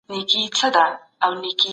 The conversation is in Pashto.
د بودیجي مسوده څوک جرګي ته راوړي؟